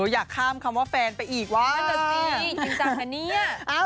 อยากข้ามคำว่าแฟนไปอีกว้าว